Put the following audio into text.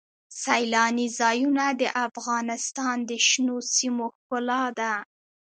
سیلانی ځایونه د افغانستان د شنو سیمو ښکلا ده.